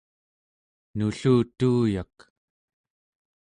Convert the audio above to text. nullutuuyak